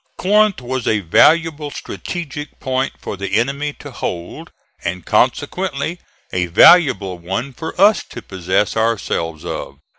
Corinth was a valuable strategic point for the enemy to hold, and consequently a valuable one for us to possess ourselves of.